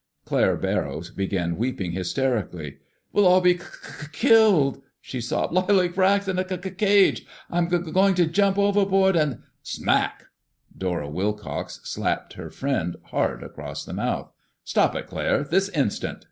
Claire Barrows began weeping hysterically. "We'll all be k killed," she sobbed. "Like rats in a c cage. I'm g going to jump overboard and—" SMACK! Dora Wilcox slapped her friend hard across the mouth. "Stop it, Claire, this instant!"